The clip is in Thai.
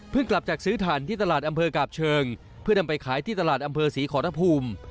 กลับจากซื้อถ่านที่ตลาดอำเภอกาบเชิงเพื่อนำไปขายที่ตลาดอำเภอศรีขอรภูมิ